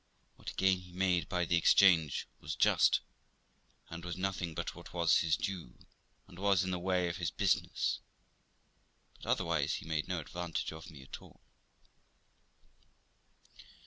What gain he made by the exchange was just, and was nothing but what was his due, and was in the way of his business ; but otherwise he made no advantage of me at all.